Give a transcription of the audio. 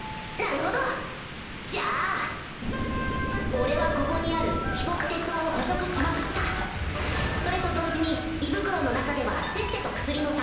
俺はここにあるヒポクテ草を捕食しまくった。それと同時に胃袋の中ではせっせと薬も作成しておく。